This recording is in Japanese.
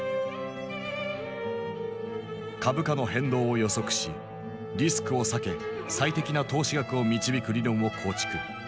株価の変動を予測しリスクを避け最適な投資額を導く理論を構築。